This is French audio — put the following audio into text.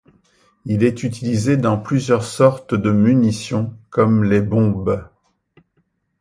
Il est utilisé dans plusieurs sortes de munitions, comme les bombes.